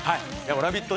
ラヴィット！